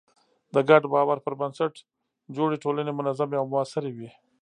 د ګډ باور پر بنسټ جوړې ټولنې منظمې او موثرې وي.